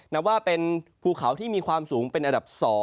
นับว่าเป็นภูเขาที่มีความสูงเป็นอันดับ๒